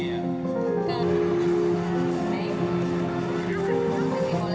yang perpecahan indosiasi perpecahan itu adalah